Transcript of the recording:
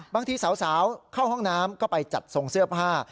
บางทีสาวเข้าห้องน้ำก็ไปจัดทรงเสื้อผ้า